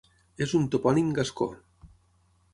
És un topònim gascó.